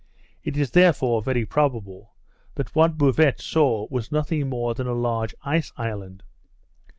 It is, therefore, very probable, that what Bouvet saw was nothing more than a large ice island.